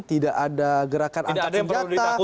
tidak ada gerakan angkat senjata